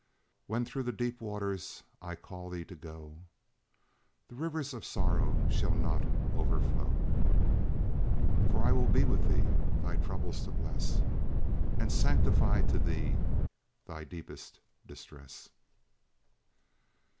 "When through the deep waters I call thee to go, The rivers of sorrow shall not overflow; For I will be with thee thy troubles to bless, And sanctify to thee thy deepest distress."